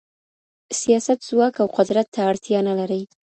سیاست ځواک او قدرت ته اړتیا نه لري.